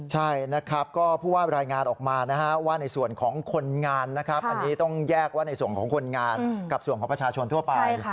ใช่นะครับก็ผู้ว่ารายงานออกมานะฮะว่าในส่วนของคนงานนะครับอันนี้ต้องแยกว่าในส่วนของคนงานกับส่วนของประชาชนทั่วไป